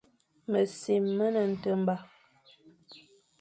Mesim me ne nteghba.